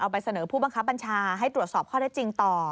ไปเสนอผู้บังคับบัญชาให้ตรวจสอบข้อได้จริงต่อ